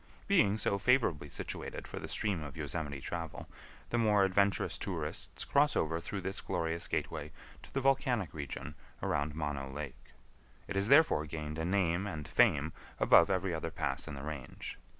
Being so favorably situated for the stream of Yosemite travel, the more adventurous tourists cross over through this glorious gateway to the volcanic region around Mono Lake. It has therefore gained a name and fame above every other pass in the range.